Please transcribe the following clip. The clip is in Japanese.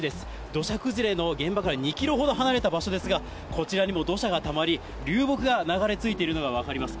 土砂崩れの現場から２キロほど離れた場所ですが、こちらにも土砂がたまり、流木が流れ着いているのが分かります。